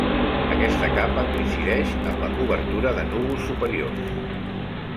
Aquesta capa coincideix amb la cobertura de núvols superior.